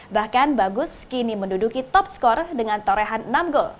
bahkan bagus kini menduduki top skor dengan torehan enam gol